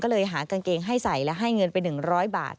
ก็เลยหากางเกงให้ใส่และให้เงินไป๑๐๐บาท